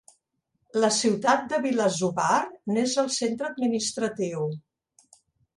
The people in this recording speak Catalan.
La ciutat de Bilasuvar n'és el centre administratiu.